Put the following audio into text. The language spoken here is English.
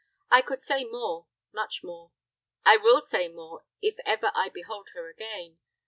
I could say more much more I will say more if ever I behold her again.